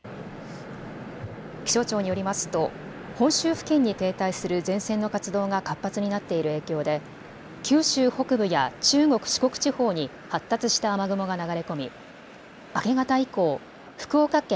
気象庁によりますと本州付近に停滞する前線の活動が活発になっている影響で九州北部や中国、四国地方に発達した雨雲が流れ込み明け方以降福岡県、